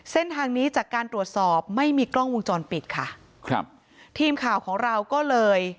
เส้นทางนี้จากการตรวจสอบไม่มีกล้องวงจรปิดค่ะครับทีมข่าวของเราก็เลย